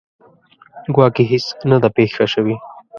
ګواکې هیڅ نه ده پېښه شوې.